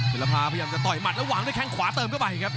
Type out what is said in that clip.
ศิลภาพยายามจะต่อยหมัดแล้ววางด้วยแข้งขวาเติมเข้าไปครับ